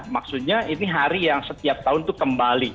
maksudnya ini hari yang setiap tahun itu kembali